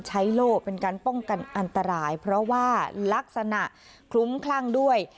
โล่เป็นการป้องกันอันตรายเพราะว่าลักษณะคลุ้มคลั่งด้วย